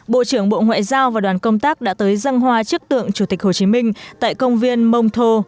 bộ trưởng bộ ngoại giao và đoàn công tác đã tới dân hòa trước tượng chủ tịch hồ chí minh tại công viên montau